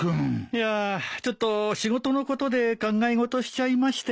いやちょっと仕事のことで考え事しちゃいまして。